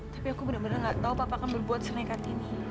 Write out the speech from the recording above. tapi aku benar benar gak tahu papa akan membuat seringkan ini